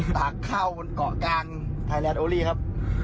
ปากเข้าบนเกาะกลางไทยแลนดโอลี่ครับ